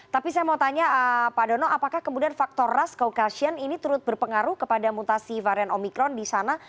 tapi saya mau tanya pak dono apakah kemudian faktor ras caucasian ini turut berpengaruh kepada mutasi varian omikron di sana